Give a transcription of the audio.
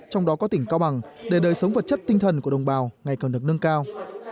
trong đó có tỉnh cao bằng để đời sống vật chất tinh thần của đồng bào ngày càng được nâng cao